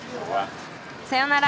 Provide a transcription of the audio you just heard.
さよなら。